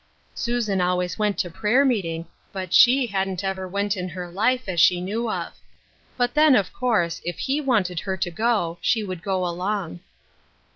Susan always went to prayer meeting ; but she hadn't never went in her life, as she knew of ; but then, of course, if he wanted to go, she would go along.